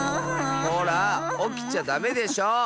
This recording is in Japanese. ほらおきちゃダメでしょ！